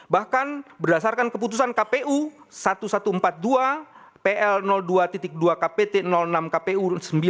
bahkan berdasarkan keputusan kpu seribu satu ratus empat puluh dua pl dua dua kpt enam kpu sembilan